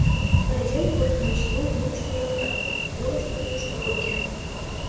Брезент курткым чиен, вуйыштыжо картуз, йолышто куштылго кем.